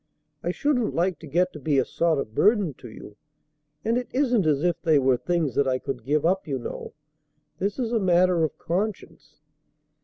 I shouldn't like to get to be a sort of burden to you, and it isn't as if they were things that I could give up, you know. This is a matter of conscience."